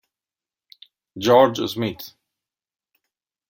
George Smith